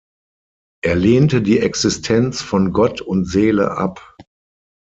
Er lehnte die Existenz von Gott und Seele ab.